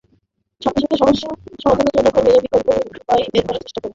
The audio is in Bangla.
সাথে সাথে সমস্যা সমাধানের জন্য কার্যকরী বিকল্প কোন উপায় বের করার চেষ্টা করেন।